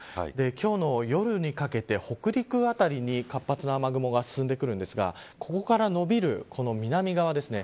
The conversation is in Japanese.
今日の夜にかけて北陸辺りに活発な雨雲が進んでくるんですがここからのびる南側ですね。